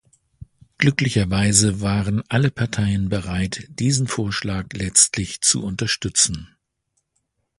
Glücklicherweise waren alle Parteien bereit, diesen Vorschlag letztlich zu unterstützen.